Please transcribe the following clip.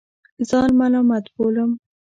ځان ملامت بولم.